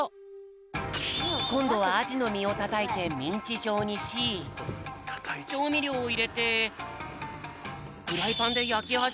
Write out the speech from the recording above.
こんどはアジのみをたたいてミンチじょうにしちょうみりょうをいれてフライパンでやきはじめたよ。